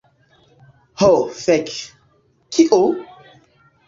Ho fek. Kio?